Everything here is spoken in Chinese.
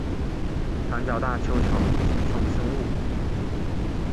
长角大锹形虫生物。